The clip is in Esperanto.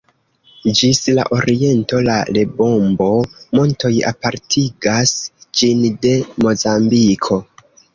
Ĝis la oriento la Lebombo-Montoj apartigas ĝin de Mozambiko.